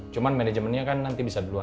cuman manajemennya kan nanti bisa duluan